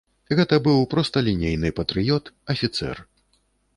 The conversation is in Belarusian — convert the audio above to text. Гэта быў просталінейны патрыёт, афіцэр.